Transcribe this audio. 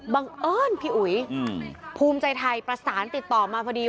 บังเอิญพี่อุ๋ยภูมิใจไทยประสานติดต่อมาพอดี